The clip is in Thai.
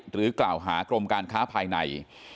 หรือกล่าวหากรมการค้าภายใน